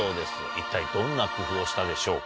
一体どんな工夫をしたでしょうか？